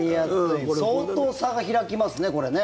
相当差が開きますね、これね。